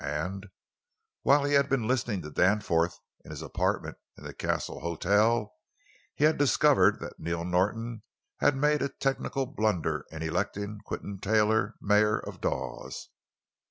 And, while he had been listening to Danforth in his apartment in the Castle Hotel, he had discovered that Neil Norton had made a technical blunder in electing Quinton Taylor mayor of Dawes.